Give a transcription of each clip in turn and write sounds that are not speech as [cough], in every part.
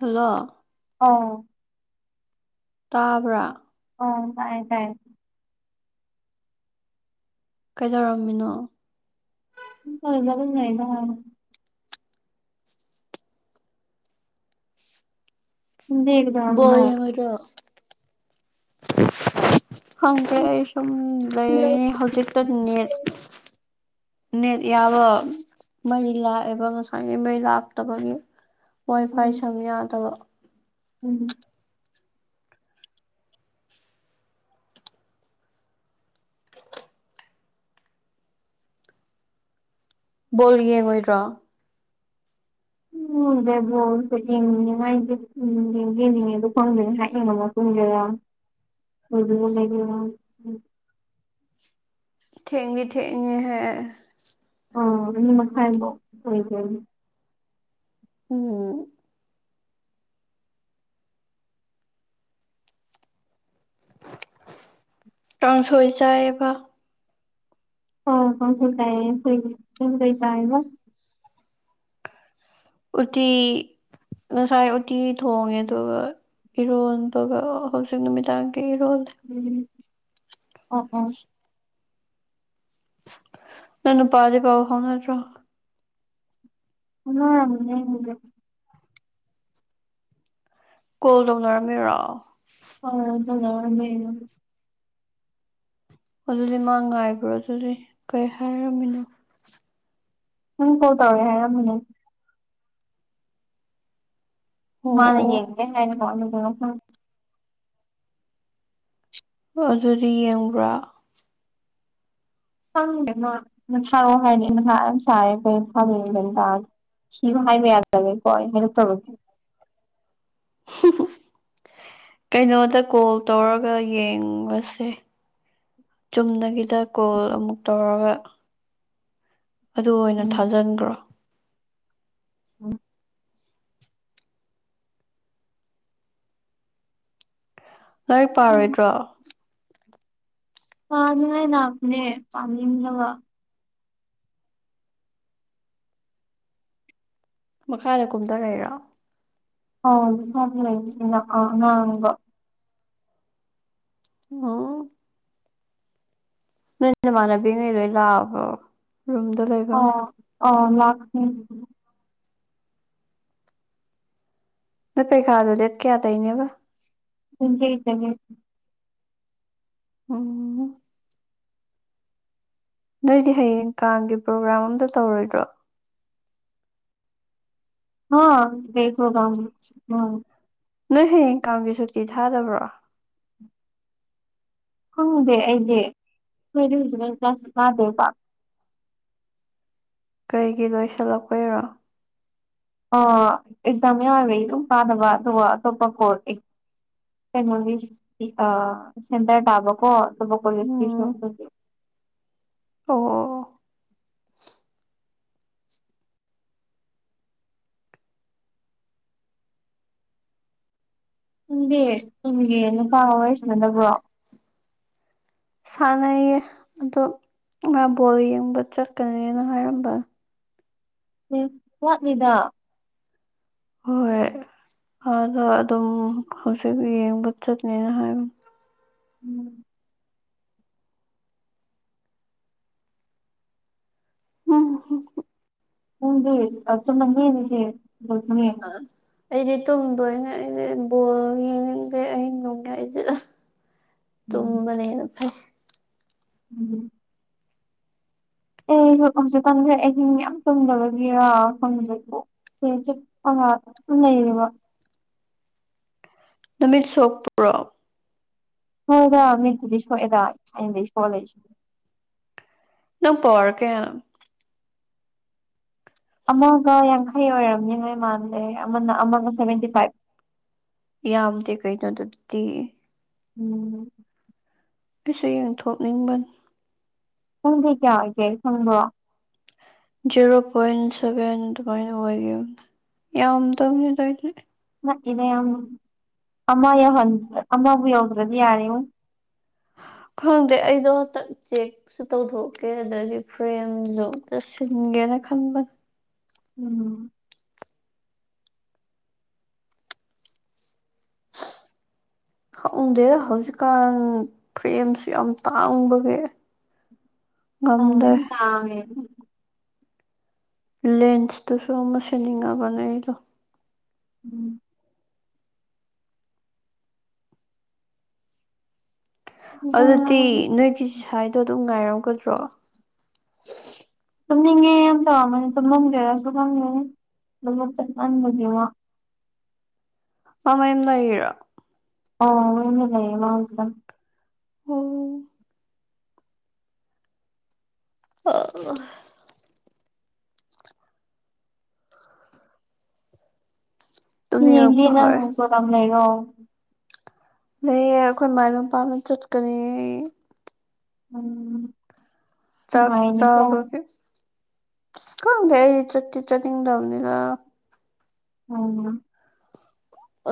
hello ꯑꯣ ꯇꯥꯕ꯭ꯔꯥ ꯑꯣ ꯇꯥꯏ ꯇꯥꯏ ꯀꯩꯗꯧꯔꯝꯃꯤꯅꯣ [unintelligible] ꯗꯤ ꯕꯣꯜ ꯌꯦꯡꯉꯣꯏꯗ꯭ꯔꯣ ꯈꯪꯗꯦ ꯑꯩ ꯁꯨꯝ ꯂꯩꯔꯤꯅꯤ ꯍꯧꯖꯤꯛꯇ ꯅꯦꯠ ꯅꯦꯠ ꯌꯥꯕ ꯃꯩ ꯂꯥꯛꯑꯦꯕ ꯉꯁꯥꯢꯒꯩ ꯃꯩ ꯂꯥꯛꯇꯕꯒꯤ ꯋꯥꯢ ꯐꯥꯢ ꯁꯝ ꯌꯥꯗꯕ ꯎꯝ ꯕꯣꯜ ꯌꯦꯡꯉꯣꯏꯗ꯭ꯔꯣ ꯎꯝ ꯕꯣꯜꯁꯦ ꯌꯦꯡꯅꯤꯡꯉꯦ ꯃꯥꯏꯖꯦ ꯌꯦꯡꯖꯨ ꯌꯦꯟꯅꯤꯡꯉꯦ ꯑꯗꯣ ꯈꯪꯗꯦ ꯉꯁꯥꯏ ꯌꯦꯡꯕꯝ ꯑꯃ ꯄꯨꯡ ꯀꯌꯥ [unintelligible] ꯊꯦꯡꯗꯤ ꯊꯦꯡꯉꯤ ꯍꯦ ꯑ ꯑꯅꯤ ꯃꯈꯥꯏꯕꯥꯎ ꯑꯣꯏꯒ꯭ꯔꯅꯤ ꯎꯝ ꯀꯥꯡꯁꯣꯏ ꯆꯥꯏꯑꯦꯕ ꯑ ꯀꯥꯡꯁꯣꯏ ꯆꯥꯌꯦ ꯑꯈꯣꯏꯗꯤ ꯅꯪ ꯀꯩ ꯆꯌꯦꯕ ꯎꯇꯤ ꯉꯁꯥꯏ ꯎꯇꯤ ꯊꯣꯡꯉꯦ ꯑꯗꯨꯒ ꯏꯔꯣꯟꯕꯒ ꯍꯧꯖꯤꯛ ꯅꯨꯃꯤꯗꯥꯡꯒꯤ ꯏꯔꯣꯜꯂꯦ ꯎꯝ ꯑꯣ ꯑꯣ ꯅꯪ ꯅꯨꯄꯥꯗꯤ ꯄꯥꯎ ꯐꯥꯎꯅꯗ꯭ꯔꯣ [unintelligible] ꯀꯣꯜ ꯇꯧꯅꯔꯝꯃꯤꯔꯣ ꯑ ꯇꯧꯅꯃꯔꯝꯃꯦ ꯌꯨ ꯑꯗꯨꯗꯤ ꯃꯥ ꯉꯥꯏꯕ꯭ꯔꯣ ꯑꯗꯨꯗꯤ ꯀꯩ ꯍꯥꯏꯔꯝꯃꯤꯅꯣ ꯅꯪ ꯀꯣꯜ ꯇꯧꯋꯦ ꯍꯥꯏꯔꯝꯃꯅꯨ ꯑꯣ ꯃꯥꯅ ꯌꯦꯡꯒꯦ ꯑꯣ [unintelligible] ꯑꯗꯨꯗꯤ ꯌꯦꯡꯕ꯭ꯔꯥ ꯈꯪꯗꯦ ꯃꯥ ꯊꯥꯔꯛꯑꯣ ꯍꯥꯢꯔꯗꯤ ꯃꯊꯥ ꯌꯥꯝ ꯁꯥꯢꯌꯦ ꯀꯩ ꯊꯥꯗꯣꯢꯅꯣ ꯒ꯭ꯌꯥꯟ ꯇꯥ ꯁꯤꯌꯨ ꯍꯥꯢꯕ ꯌꯥꯗꯕꯒꯤ ꯀꯣ ꯑꯩ [unintelligible] ꯀꯩꯅꯣꯗ ꯀꯣꯜ ꯇꯧꯔꯒ ꯌꯦꯡꯂꯁꯦ ꯆꯨꯝꯅꯒꯤꯗ ꯀꯣꯜ ꯑꯃꯨꯛ ꯇꯧꯔꯒ ꯑꯗꯨ ꯑꯣꯏꯅ ꯎꯝ ꯊꯥꯖꯟꯒ꯭ꯔꯣ ꯎꯝ ꯂꯥꯏꯔꯤꯛ ꯄꯥꯔꯣꯏꯗ꯭ꯔꯣ ꯄꯥꯅꯉꯥꯢ ꯂꯥꯛꯄꯅꯦ ꯄꯥꯅꯤꯡꯗꯕ ꯃꯈꯥꯗ ꯀꯨꯝꯗꯔꯩꯔꯣ [unintelligible] ꯑꯉꯥꯡꯕ ꯑꯣ ꯅꯣꯢ ꯅꯃꯅꯕꯤꯉꯩ ꯂꯣꯢ ꯂꯥꯛꯑꯕꯣ ꯔꯨꯝꯗ ꯂꯩ ꯑꯥ ꯑꯥ ꯂꯥꯛꯀꯅꯤ ꯅꯣꯢ ꯄꯩꯈꯥꯗꯨ ꯗꯦꯠ ꯀꯌꯥ ꯗꯩꯅꯦꯕ [unintelligible] ꯎꯝ ꯅꯣꯢꯗꯤ ꯍꯌꯦꯡ ꯀꯥꯡꯒꯤ ꯄ꯭ꯔꯣꯒ꯭ꯔꯥꯝ ꯑꯝꯇ ꯇꯧꯔꯣꯢꯗ꯭ꯔꯣ ꯍꯥ ꯀꯩ ꯄ꯭ꯔꯣꯒ꯭ꯔꯥꯝꯅꯣ ꯅꯣꯏ ꯍꯌꯦꯡ ꯀꯥꯡꯒꯤ ꯁꯨꯇꯤ ꯊꯥꯗꯕ꯭ꯔꯣ ꯈꯪꯗꯦ ꯑꯩꯗꯤ ꯑꯩꯈꯣꯢꯗꯤ ꯍꯧꯖꯤꯛꯃꯛ ꯀ꯭ꯂꯥꯁ ꯀꯥꯗꯦꯕ ꯀꯩꯒꯤ ꯂꯣꯢꯁꯜꯂꯛꯄꯩꯔꯣ ꯑ ꯑꯦꯛꯖꯥꯝ ꯃꯌꯥꯗ ꯑꯗꯨꯝ ꯀꯥꯗꯕ ꯑꯗꯨꯒ ꯑꯇꯣꯞꯄ ꯀꯣꯔꯠ ꯀꯩꯅꯣꯒꯤ ꯑ ꯁꯦꯟꯇ꯭ꯔ ꯇꯥꯕꯀꯣ ꯑꯇꯣꯞꯄ ꯀꯣꯜꯂꯦꯖꯀꯤꯁꯨ ꯎꯝ ꯑꯗꯨꯒꯤ ꯑꯣ ꯅꯪꯪꯗꯤ ꯅꯪꯒꯤ ꯅꯨꯄꯥꯒ ꯋꯥꯔꯤ ꯁꯥꯟꯅꯗꯕ꯭ꯔꯣ ꯁꯥꯟꯅꯩꯌꯦ ꯑꯗꯣ ꯃꯥ ꯕꯣꯜ ꯌꯦꯡꯕ ꯆꯠꯀꯅꯦꯅ ꯍꯥꯏꯔꯝꯕ ꯎꯝ ꯋꯥꯠꯂꯤꯗ ꯍꯣꯏ ꯑꯥꯗ ꯑꯗꯨꯝ ꯍꯧꯖꯤꯛ ꯌꯦꯡꯕ ꯆꯠꯅꯦꯅ ꯍꯥꯏꯝ ꯎꯝ ꯎꯝ [unintelligible] ꯑꯥ ꯑꯩꯗꯤ ꯇꯨꯝꯗꯣꯢꯅꯦ ꯑꯗꯤ ꯕꯣꯜ ꯌꯦꯡꯅꯤꯡꯗꯦ ꯑꯍꯤꯡ ꯅꯣꯡꯌꯥꯢꯖꯤ [unintelligible] ꯇꯨꯝꯕꯅ ꯍꯦꯅ ꯐꯩ ꯎꯝ ꯑꯦ ꯍꯧꯖꯤꯛ ꯀꯥꯟꯁꯦ ꯑꯍꯤꯡ ꯌꯥꯝ ꯇꯨꯝꯗꯕꯒꯤꯔꯥ ꯈꯪꯗꯦꯀꯣ [unintelligible] ꯅꯃꯤꯠ ꯁꯣꯛꯄ꯭ꯔꯣ ꯍꯣꯏꯗ ꯃꯤꯠꯄꯨꯗꯤ ꯁꯣꯛꯑꯦꯗ ꯇꯊꯥꯏꯅꯗꯩꯩ ꯁꯣꯛꯑ ꯂꯩꯁꯦ ꯅꯪ ꯄꯧꯋꯥꯔ ꯀꯥꯌꯅꯣ ꯑꯃꯒ ꯌꯥꯡꯈꯩ ꯑꯣꯏꯔꯝꯅꯤ [unintelligible] ꯃꯥꯟꯂꯦ ꯑꯃꯅ ꯑꯃꯒ ꯁꯦꯚꯦꯟꯇꯤ ꯐꯥꯏꯚ ꯌꯥꯝꯗꯦ ꯀꯩꯅꯣ ꯑꯗꯨꯗꯤ ꯎꯝ ꯗꯨꯁꯨ ꯌꯦꯡꯊꯣꯛꯅꯤꯡꯕꯅꯤ ꯅꯪꯗꯤ ꯀꯌꯥ ꯑꯣꯏꯒꯦ ꯈꯪꯕ꯭ꯔꯣ ꯖꯦꯔꯣ ꯄꯣꯏꯟ ꯁꯚꯦꯟ ꯑꯗꯨꯃꯥꯢ ꯑꯣꯢꯒꯤꯝꯅꯤ ꯌꯥꯝꯗꯝꯅꯤꯗ ꯑꯩꯗꯤ ꯅꯛꯏꯗ ꯌꯥꯝ ꯑꯃ ꯌꯥꯎꯍꯟ ꯑꯃꯕꯨ ꯌꯧꯗ꯭ꯔꯗꯤ ꯌꯥꯔꯦꯉꯣ ꯈꯪꯗꯦ ꯑꯩꯗꯣ ꯍꯟꯇꯛ ꯆꯦꯛ ꯁꯨ ꯇꯧꯊꯣꯛꯀꯦ ꯑꯗꯒꯤ ꯐ꯭ꯔꯦꯝꯖꯨ ꯑꯝꯇ ꯁꯤꯟꯒꯦꯅ ꯈꯟꯕꯅꯦ ꯎꯝ ꯈꯪꯗꯦꯗ ꯍꯧꯖꯤꯛꯀꯥꯟ ꯐ꯭ꯔꯦꯝꯁꯨ ꯌꯥꯝ ꯇꯥꯡꯕꯒꯤ [inaudible] [unintelligible] ꯇꯥꯡꯉꯦ ꯂꯦꯟꯁꯇꯨꯁꯨ ꯑꯃ ꯁꯤꯟꯅꯤꯡꯉꯕꯅꯦ ꯑꯩꯗꯣ ꯎꯝ ꯑꯗꯨꯒ ꯑꯗꯨꯗꯤ ꯅꯣꯢꯒꯤ ꯁꯥꯢꯗꯣ ꯑꯗꯨꯝ ꯉꯥꯢꯔꯝꯒꯗ꯭ꯔꯣ ꯇꯨꯝꯅꯤꯡꯉꯦ ꯌꯥꯝ ꯇꯧꯔꯝꯕꯅꯦ ꯇꯨꯝꯃꯝꯖꯔꯁꯨ ꯈꯪꯗꯦꯍꯦ ꯂꯧꯕꯨꯛ ꯆꯠꯃꯟꯕꯒꯤ ꯃꯥ ꯃꯥ ꯃꯌꯨꯝ ꯂꯩꯔꯤꯔꯣ ꯑꯣ ꯃꯌꯨꯝꯗ ꯂꯩꯌꯦ ꯃꯥ ꯍꯧꯖꯤꯛꯀꯥꯟ ꯑꯥ ꯍꯌꯦꯡꯗꯤ ꯇꯨꯝꯅꯤꯡꯉꯛꯄ ꯅꯪ ꯍꯧꯔꯦ ꯄ꯭ꯔꯣꯒꯥꯝ ꯂꯩꯔꯣ ꯂꯩꯌꯦ ꯑꯈꯣꯏ ꯃꯥꯏ ꯃꯄꯥꯝꯗ ꯆꯠꯀꯅꯤ ꯑꯩ ꯎꯝ ꯆꯥꯛ ꯅꯨꯡꯉꯥꯏꯅꯤꯀꯣ ꯆꯥꯕꯒꯤ ꯈꯪꯗꯦ ꯑꯩ ꯆꯠꯇꯤ ꯆꯠꯅꯤꯡꯗꯝꯅꯤꯗ ꯎꯝ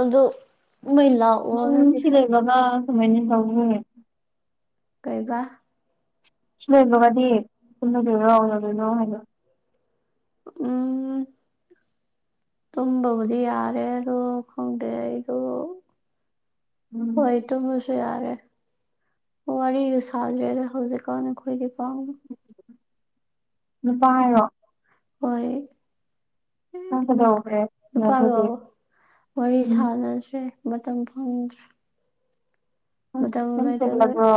ꯑꯗꯨ ꯃꯩ ꯂꯥꯛ ꯅꯪ [unintelligible] ꯀꯃꯥꯢꯅ ꯇꯧꯅꯤ ꯀꯩꯕ ꯁꯤ ꯂꯣꯢꯕꯒꯗꯤ ꯇꯨꯝꯃꯗꯣꯢꯔꯣ ꯀꯩꯗꯧꯗꯣꯢꯅꯣ ꯍꯥꯢꯕ ꯎꯝ ꯇꯨꯝꯕꯕꯨꯗꯤ ꯌꯥꯔꯦ ꯑꯗꯣ ꯈꯪꯗꯦ ꯑꯩꯗꯣ ꯎꯝ ꯍꯣꯢ ꯇꯨꯝꯃꯁꯨ ꯌꯥꯔꯦ ꯋꯥꯔꯤꯒ ꯁꯥꯗ꯭ꯔꯦꯗ ꯍꯧꯖꯤꯛꯀꯥꯟ ꯑꯈꯣꯏꯗꯤ [unintelligible] ꯅꯨꯄꯥꯔꯣ ꯍꯣꯏ ꯅꯪ ꯀꯩꯗꯧꯈ꯭ꯔꯦ ꯅꯨꯄꯥꯗꯣ ꯁꯤꯟꯅꯗ꯭ꯔꯗꯤ ꯋꯥꯔꯤ ꯎꯝ ꯁꯥꯟꯅꯗ꯭ꯔꯦ ꯃꯇꯝ ꯐꯪꯗ꯭ꯔꯦ ꯅꯪ ꯃꯇꯝ ꯅꯪ ꯂꯩꯇꯕ ꯆꯤꯜꯂꯕ꯭ꯔꯣ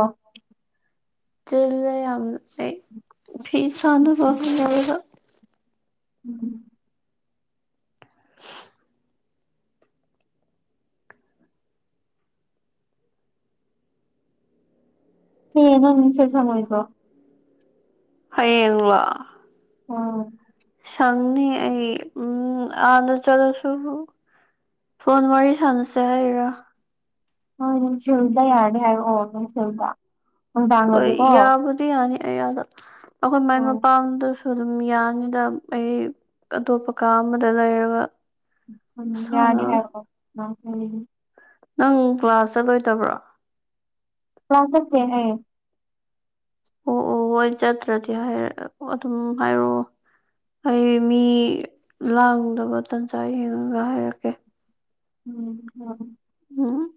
ꯆꯤꯜꯂꯦ ꯌꯥꯝꯅ ꯑꯩ ꯐꯤ ꯁꯥꯟꯅꯕ ꯍꯣꯠꯅꯕꯗ ꯎꯝ ꯃꯤꯅ ꯑꯗꯨꯝ ꯁꯠ [unintelligible] ꯍꯌꯦꯡꯂꯣ ꯑ ꯐꯪꯅꯤ ꯑꯩ ꯎꯝ ꯑꯥꯗ ꯆꯠꯂꯁꯨ ꯐꯣꯟ ꯋꯥꯔꯤ ꯁꯥꯟꯅꯁꯦ ꯍꯥꯢꯔꯥ ꯍꯣꯏ ꯅꯨꯡꯊꯤꯜꯗ ꯌꯥꯔꯗꯤ ꯍꯥꯏꯔꯛꯑꯣ ꯅꯨꯡꯊꯤꯜꯗ ꯅꯨꯡꯗꯥꯡꯗꯗꯤꯀꯣ ꯕꯨꯗꯤ ꯌꯥꯅꯤ ꯑꯩ ꯑꯥꯗ ꯑꯈꯣꯢ ꯃꯥꯢ ꯎꯝ ꯃꯄꯥꯝꯗꯣꯁ ꯑꯗꯨꯝ ꯌꯥꯅꯤꯗ ꯑꯩ ꯑꯇꯣꯞꯄ ꯀꯥ ꯑꯃꯗ ꯂꯩꯔꯒ ꯌꯥꯅꯤ ꯁꯥꯟꯅꯔꯣꯏ ꯍꯥꯏꯔꯛꯑꯣ [unintelligible] ꯅꯪ ꯀ꯭ꯂꯥꯁ ꯆꯠꯂꯣꯢꯗꯕ꯭ꯔꯣ ꯀ꯭ꯂꯥꯁ ꯆꯠꯇꯦ ꯑꯩ ꯑꯣ ꯑꯣ ꯍꯣꯏ ꯆꯠꯇ꯭ꯔꯗꯤ ꯍꯥꯏ ꯑꯗꯨꯝ ꯍꯥꯏꯔꯛꯑꯣ ꯑꯩ ꯃꯤ ꯂꯥꯡꯗꯕ ꯇꯟꯖꯥ ꯌꯦꯡꯉꯒ ꯍꯥꯏꯔꯛꯀꯦ ꯎꯝ ꯍꯣꯏ [unintelligible]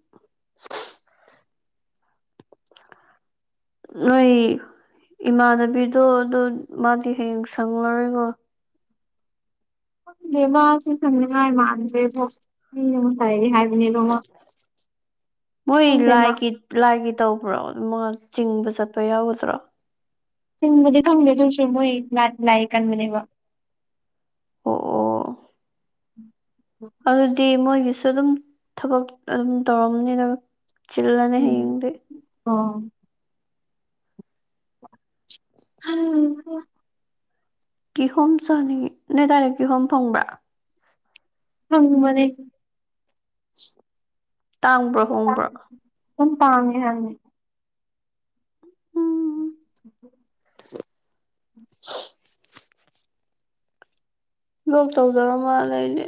ꯅꯣꯏ ꯏꯃꯥꯟꯅꯕꯤꯗꯣ ꯑꯗꯨ ꯃꯥꯗꯤ ꯍꯌꯦꯡ ꯁꯪꯂꯔꯣꯏꯀꯣ ꯗꯦ ꯃꯥꯁꯦ ꯁꯪꯅꯤꯡꯉꯥꯏ ꯃꯥꯟꯗ꯭ꯔꯦꯕꯣ ꯑꯩꯅ ꯉꯁꯥꯏꯗꯤ ꯍꯥꯏꯕꯅꯦꯗꯣ ꯃꯥ ꯃꯣꯢ ꯈꯪꯗꯦ ꯃꯥ ꯂꯥꯢꯀꯤ ꯂꯥꯏꯒꯤ ꯇꯧꯕ꯭ꯔꯣ ꯃꯥ ꯆꯤꯡꯕ ꯆꯠꯄ ꯌꯥꯎꯒꯗ꯭ꯔꯣ ꯆꯤꯡꯕꯗꯤ ꯈꯪꯗꯦ ꯑꯗꯨ ꯑꯣꯏꯔꯁꯨ ꯃꯣꯏ ꯂꯥꯛ ꯂꯥꯏ ꯀꯟꯕꯅꯦꯕ ꯑꯣ ꯑꯣ ꯑꯗꯨꯗꯤ ꯃꯣꯏꯒꯤꯁꯨ ꯑꯗꯨꯝ ꯊꯕꯛ ꯑꯗꯨꯝ ꯇꯧꯔꯝꯅꯤꯗ ꯆꯤꯜꯂꯅꯤ ꯎꯝ ꯍꯌꯦꯡꯗꯤ ꯑꯣ ꯍꯩ ꯍꯥ ꯀꯤꯍꯣꯝ ꯆꯥꯅꯤꯡꯉꯦ ꯅꯣꯏ ꯑꯗꯥꯏꯗ ꯀꯤꯍꯣꯝ ꯐꯪꯕ꯭ꯔꯥ ꯐꯪꯕꯅꯦ ꯇꯥꯡꯕ꯭ꯔꯣ ꯍꯣꯡꯕ꯭ꯔꯣ ꯑꯗꯨꯝ ꯇꯥꯡꯉꯦ ꯍꯥꯏꯕꯅꯦ ꯎꯝ [inaudible] [inaudible] ꯂꯣꯛ ꯇꯧꯗꯣꯔꯕ ꯃꯥꯜꯂꯦ ꯑꯩꯗꯤ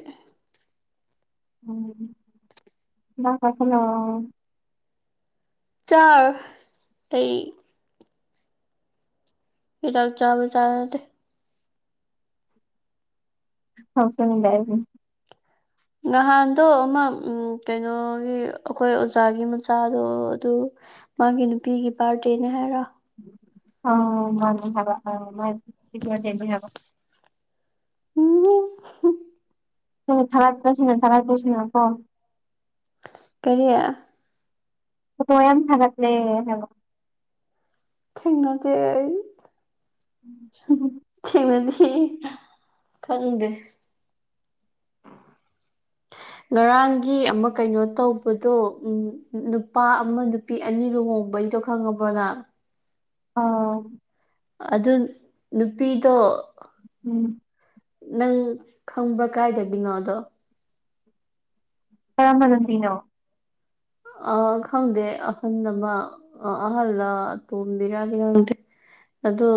ꯎꯝ ꯍꯤꯗꯥꯛ ꯆꯥꯁꯜꯍꯧꯔꯣ ꯆꯥꯔꯣꯢ ꯑꯩ ꯍꯤꯗꯥꯛ ꯆꯥꯕ ꯆꯥꯅꯗꯦ [unintelligible] ꯅꯍꯥꯟꯗꯣ ꯑꯃ ꯎꯝ ꯀꯩꯅꯣꯒꯤ ꯑꯈꯣꯏ ꯑꯣꯖꯥꯒꯤ ꯃꯆꯥꯗꯣ ꯑꯗꯨ ꯃꯥꯒꯤ ꯅꯨꯄꯤꯒꯤ ꯕꯥꯔꯗꯦꯅꯦ ꯍꯥꯏꯔꯣ ꯑꯣ ꯃꯥꯅꯤ ꯍꯥꯏꯕ [unintelligible] [unintelligible] [unintelligible] ꯀꯣ ꯀꯔꯤ ꯐꯣꯇꯣ ꯌꯥꯝ ꯊꯒꯠꯂꯦ ꯍꯥꯏꯕ ꯊꯦꯡꯅꯗꯦ ꯑꯩ [inaudible] ꯊꯦꯡꯅꯗꯤ ꯈꯪꯗꯦ ꯉꯔꯥꯡꯒꯤ ꯑꯃ ꯀꯩꯅꯣ ꯇꯧꯕꯗꯣ ꯎꯝ ꯅꯨꯄꯥ ꯑꯃ ꯅꯨ ꯄꯤ ꯑꯅꯤ ꯂꯨꯍꯣꯡꯕꯩꯗꯣ ꯈꯪꯉꯕꯣ ꯅꯪ ꯑꯥ ꯑꯗꯨ ꯅꯨꯄꯤꯗꯣ ꯎꯝ ꯅꯪ ꯈꯪꯕ꯭ꯔꯥ ꯀꯥꯏꯗꯒꯤꯅꯣ ꯑꯗꯣ ꯀꯔꯝꯕ ꯅꯨꯄꯤꯅꯣ ꯑ ꯈꯪꯗꯦ ꯑꯍꯜ ꯑꯃ ꯑꯍꯜꯂ ꯇꯣꯝꯕꯤꯔꯗꯤ ꯈꯪꯗꯦ ꯑꯗꯣ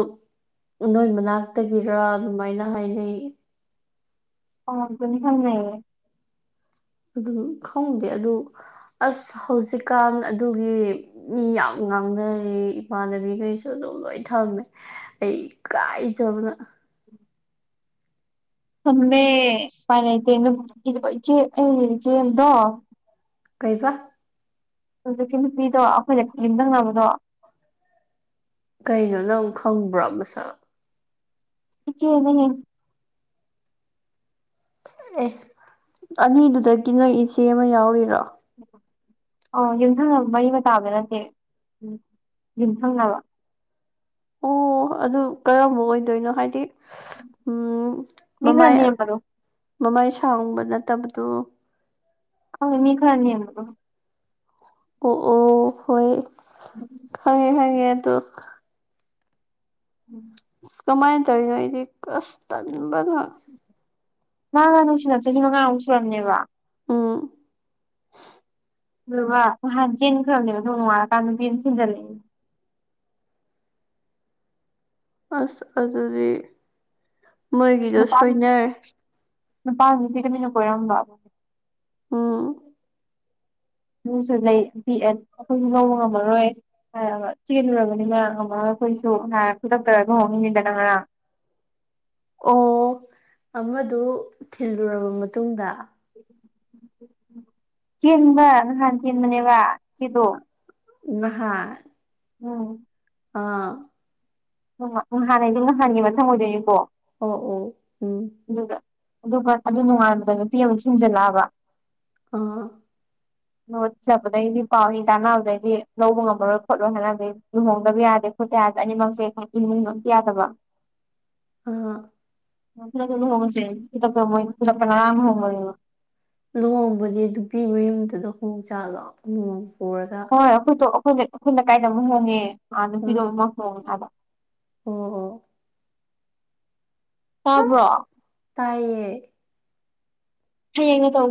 ꯅꯣꯢ ꯃꯅꯥꯛꯇꯒꯤꯔꯥ ꯑꯗꯨꯃꯥꯢꯅ ꯍꯥꯢꯅꯩ ꯑꯣ ꯑꯗꯨꯅꯤ ꯈꯪꯉꯦ ꯑꯗꯨꯝ ꯈꯪꯗꯦ ꯑꯗꯨ ꯑꯁ ꯍꯧꯖꯤꯛꯀꯥꯜ ꯑꯗꯨꯒꯤ ꯃꯤ ꯌꯥꯝ ꯉꯥꯡꯅꯔꯦ ꯏꯃꯥꯟꯅꯕꯤꯒꯩꯁꯨ ꯁꯨ ꯑꯗꯨꯝ ꯂꯣꯢ ꯊꯝꯃꯦ ꯑꯩ ꯀꯥꯢꯖꯕꯅ ꯁꯨꯝꯃꯦ ꯎꯄꯥꯢ ꯂꯩꯇꯦ [unintelligible] ꯀꯩꯕ ꯍꯧꯖꯤꯛꯀꯤ ꯅꯨꯄꯤꯗꯣ ꯑꯩꯈꯣꯢ ꯌꯨꯝꯗꯪꯅꯕꯗꯣ ꯀꯩꯅꯣ ꯅꯪ ꯈꯪꯕ꯭ꯔꯣ ꯃꯁꯛ ꯏꯆꯦ [unintelligible] ꯑꯦ ꯑꯅꯤꯗꯨꯗꯒꯤ ꯅꯣꯢ ꯏꯆꯦ ꯑꯃ ꯌꯥꯎꯔꯤꯔꯣ ꯑꯣ ꯌꯨꯝꯊꯪꯅꯕ ꯃꯔꯤ ꯃꯇꯥꯕꯗꯨ ꯅꯠꯇꯦ ꯌꯨꯝꯊꯪꯅꯕ ꯑꯣ ꯑꯗꯨ ꯀꯔꯝꯕ ꯑꯣꯢꯗꯣꯢꯅꯣ ꯍꯥꯢꯗꯤ ꯏꯁ ꯎꯝ ꯃꯤ ꯈꯔ ꯃꯃꯥꯢ ꯅꯦꯝꯕꯗꯣ ꯃꯃꯥꯢ ꯁꯥꯡꯕ ꯅꯠꯇꯕꯗꯣ ꯈꯪꯉꯦ ꯃꯤ ꯈꯔ ꯌꯦꯝꯕꯗꯣ ꯑꯣ ꯑꯣ ꯍꯣꯢ ꯈꯉꯦ ꯈꯪꯉꯦ ꯑꯗꯨ ꯎꯝ ꯀꯃꯥꯢꯅ ꯇꯧꯔꯤꯅꯣ ꯑꯩꯗꯤ ꯀꯁ ꯇꯟꯕꯅꯥ ꯃꯥꯒ ꯅꯨꯡꯁꯤꯅꯕ ꯆꯍꯤ ꯃꯉꯥꯃꯨꯛ ꯁꯨꯔꯝꯅꯦꯕ ꯎꯝ ꯑꯗꯨꯒ ꯅꯍꯥꯟ ꯆꯦꯟꯈ꯭ꯔꯕꯅꯦꯕ ꯑꯗꯨ ꯅꯣꯡꯉꯥꯜꯂꯀꯥꯟ ꯅꯨꯄꯤ ꯑꯃ ꯊꯤꯟꯖꯜꯂꯛꯏꯌꯦ ꯑꯁ ꯑꯗꯨꯗꯤ ꯃꯣꯏꯒꯤꯗꯣ ꯅꯨꯄꯥꯗꯨ ꯁꯣꯏꯅꯔꯦ ꯅꯨꯄꯥꯗꯨ ꯅꯨꯄꯤ ꯇꯨꯃꯤꯟꯅ ꯀꯣꯢꯔꯝꯕ ꯎꯝ [unintelligible] ꯂꯩ ꯄꯤꯛꯑꯦ ꯑꯩꯈꯣꯢꯁꯨ ꯉꯧꯕ ꯉꯝꯃꯔꯣꯢ ꯍꯥꯢꯔꯒ ꯆꯦꯜꯂꯨꯔꯕꯅꯤ ꯃꯥ ꯉꯝꯃꯔꯣꯢ ꯑꯈꯣꯢꯁꯨ ꯍꯥꯢꯔ ꯈꯨꯗꯛꯇ ꯂꯨꯍꯣꯡꯉꯤꯅꯤꯗꯅ ꯉꯔꯥꯡ ꯑꯣ ꯑꯃꯗꯨ ꯊꯤꯜꯂꯨꯔꯕ ꯃꯇꯨꯡꯗ ꯆꯦꯟꯕ ꯅꯍꯥꯟ ꯆꯦꯟꯕꯅꯦꯕ ꯏꯆꯦꯗꯣ ꯅꯍꯥꯟ ꯎꯝ ꯑꯥ ꯎ ꯉꯍꯥꯟ ꯍꯥꯢꯗꯤ ꯉꯍꯥꯟꯒꯤ ꯃꯊꯪ ꯑꯣꯢꯗꯣꯢꯅꯤꯀꯣ ꯑꯣ ꯑꯣ ꯎꯝ ꯑꯗꯨꯗ ꯑꯗꯨꯒ ꯑꯗꯨ ꯅꯨꯡꯉꯥꯟꯕꯗ ꯅꯨꯄꯤ ꯑꯃꯨꯛ ꯊꯤꯡꯖꯤꯜꯂꯛꯑꯕ ꯎꯝ ꯂꯧ ꯆꯠꯄꯗꯩꯗꯤ ꯄꯥꯎ ꯏ ꯇꯥꯟꯅꯕꯗꯩꯗꯤ ꯂꯧꯕ ꯉꯝꯃꯔꯣꯢ ꯈꯣꯠꯂꯣꯢ ꯍꯥꯢꯅꯕꯗꯩ ꯂꯨꯍꯣꯡꯗꯕ ꯌꯥꯗꯦ [unintelligible] ꯑꯅꯤꯃꯛꯁꯦ ꯏꯃꯨꯡꯅ ꯑꯝꯇ ꯌꯥꯗꯕ ꯑꯥ ꯅꯪꯁꯨ ꯂꯨꯍꯣꯡꯉꯁꯦ [unintelligible] ꯂꯨꯍꯣꯡꯕꯗꯤ ꯅꯨꯄꯤ ꯃꯌꯨꯝꯗꯨꯗ ꯍꯣꯡ ꯆꯥꯂꯣ ꯂꯨꯍꯣꯡ ꯄꯨꯔꯒ ꯍꯣꯢ ꯑꯈꯣꯏꯇꯣ ꯑꯩꯈꯣꯏꯅ ꯑꯩꯈꯣꯏ ꯂꯀꯥꯢꯗ ꯑꯃꯗ ꯍꯣꯡꯉꯦ ꯑ ꯅꯨꯄꯤꯗꯣ [unintelligible] ꯑꯣ ꯑꯣ ꯇꯥꯕ꯭ꯔꯣ ꯇꯥꯢꯌꯦ ꯍꯌꯦꯡꯅ ꯇꯧꯕ꯭ꯔ